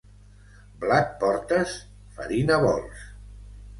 Blat portes?, farina vols.